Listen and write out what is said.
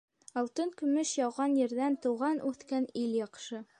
Алтын-көмөш яуған ерҙән тыуған-үҫкән ил яҡшы.